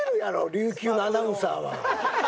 琉球のアナウンサーは。